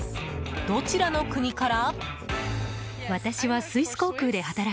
どちらの国から？